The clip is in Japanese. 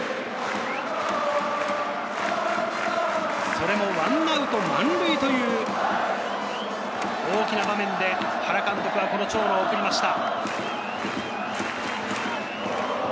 それも１アウト満塁という大きな場面で原監督は長野を送りました。